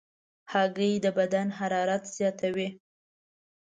هګۍ د بدن حرارت زیاتوي.